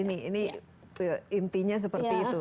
ini intinya seperti itu